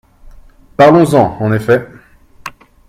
Parlons-en, en effet